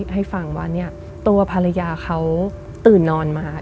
ให้ฟังว่าเนี่ยตัวภรรยาเขาตื่นนอนมา